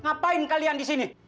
ngapain kalian di sini